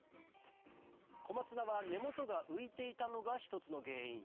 コマツナは根元が浮いていたのが１つの原因